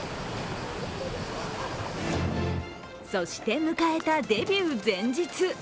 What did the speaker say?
そして迎えたデビュー前日。